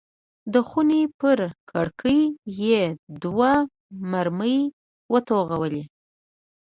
د خونې پر کړکۍ یې دوه مرمۍ وتوغولې.